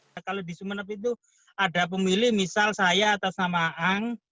nah kalau di sumeneb itu ada pemilih misal saya atas nama ang